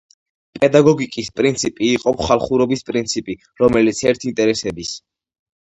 პედაგოგიკის პრინციპი იყო ხალხურობის პრინციპი, რომელიც ერის ინტერესების